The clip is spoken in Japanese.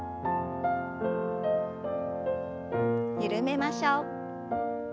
緩めましょう。